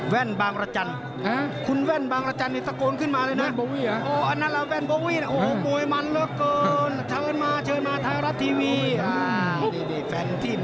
ต้องขออนุญาตแว่นปังเขนก่อนนะที่จะมาที่นี่